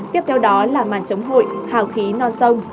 tiếp theo đó là màn chống hội hào khí non sông